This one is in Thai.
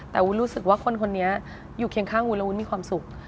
แต่วุ้นรู้สึกว่าคนคนนี้อยู่เคียงข้างวุ้นแล้ววุ้นมีความสุข